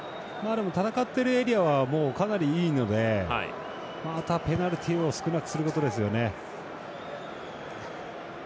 戦ってるエリアはかなりいいので、ペナルティを少なくすることですよね。